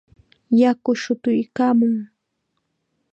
Yaku shutuykaamun.